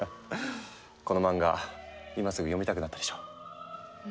この漫画今すぐ読みたくなったでしょ？